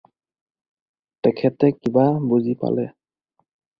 তেখেতে কিবা বুজি পালে।